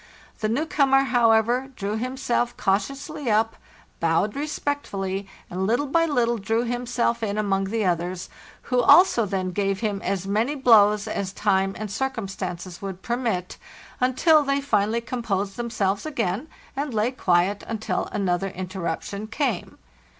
The new comer, how ever, drew himself cautiously up, bowed respectfully, and little by little drew himself in among the others, who also then gave him as many blows as time and circum stances would permit, until they finally composed them selves again, and lay quiet until another interruption came.